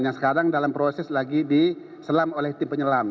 yang sekarang dalam proses lagi diselam oleh tim penyelam